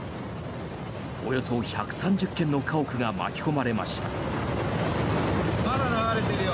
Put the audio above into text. およそ１３０軒の家屋が巻き込まれました。